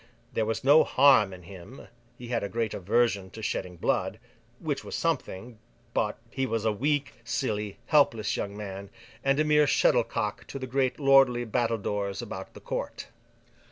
There was no harm in him—he had a great aversion to shedding blood: which was something—but, he was a weak, silly, helpless young man, and a mere shuttlecock to the great lordly battledores about the Court.